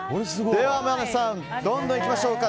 では、どんどんいきましょうか。